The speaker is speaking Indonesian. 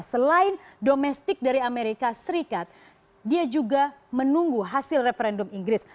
selain domestik dari amerika serikat dia juga menunggu hasil referendum inggris